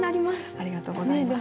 ありがとうございます。